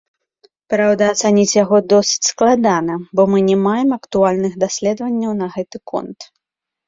Праўда, ацаніць яго досыць складана, бо мы не маем актуальных даследванняў на гэты конт.